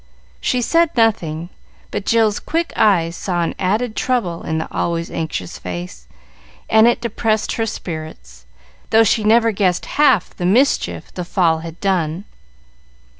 She said nothing, but Jill's quick eyes saw an added trouble in the always anxious face, and it depressed her spirits, though she never guessed half the mischief the fall had done.